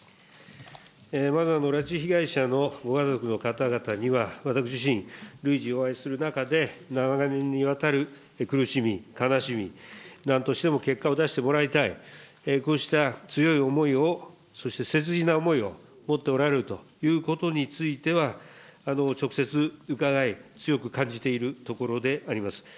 まず拉致被害者のご家族の方々には、私自身、随時、お会いする中で、長年にわたる苦しみ、悲しみ、なんとしても結果を出してもらいたい、こうした強い思いを、そして切実な思いを持っておられるということについては、直接伺い、強く感じているところであります。